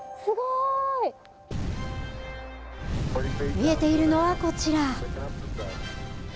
見えているのはこちら。